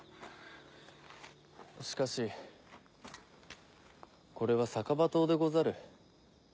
しかしこれは逆刃刀でござる。